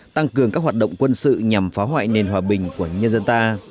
tăng cường các hoạt động quân sự nhằm phá hoại nền hòa bình của nhân dân ta